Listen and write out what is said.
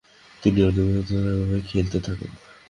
তিনি অনিয়মিতভাবে খেলতে থাকেন।